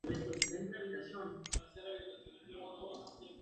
Los oxidados regresan a la compañía.